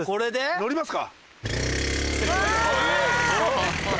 乗りますか。